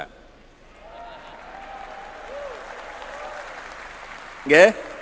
karena menterinya masih muda